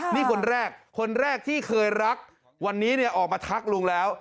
นี่คนแรกคนแรกที่เคยรักวันนี้เนี่ยออกมาทักลุงแล้ว